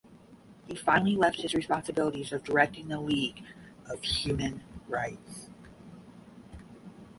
He finally left his responsibilities of directing the League of Human Rights.